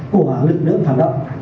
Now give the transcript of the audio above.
của lực lượng phản động